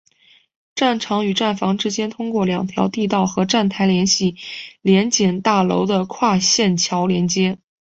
站场与站房之间通过两条地道和站台联接联检大楼的跨线桥连接。